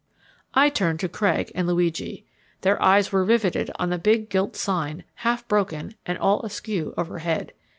I turned to Craig and Luigi. Their eyes were riveted on the big gilt sign, half broken, and all askew overhead.